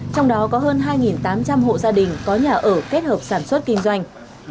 trong đó có hơn hai tám trăm linh hộ gia đình có nhà ở kết hợp sản xuất kinh doanh